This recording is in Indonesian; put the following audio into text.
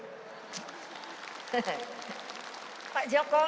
tidak ada yang mau